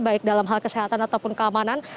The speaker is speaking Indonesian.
baik dalam hal kesehatan ataupun keamanan